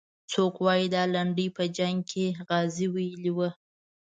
څوک وایي دا لنډۍ په جنګ کې غازي ویلې وه.